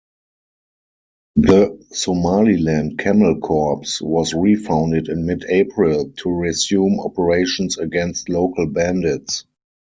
The Somaliland Camel Corps was re-founded in mid-April, to resume operations against local bandits.